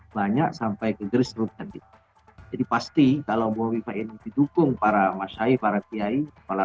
banyak sampai kegeris geris jadi pasti kalau mau dipakai didukung para masyai para kiai kepala